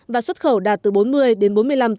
và xuất khẩu đạt từ bốn mươi đến bốn mươi năm